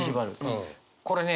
これね